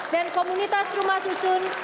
dan komunitas rumah susun